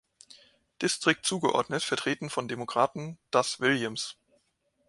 Distrikt zugeordnet, vertreten vom Demokraten Das Williams.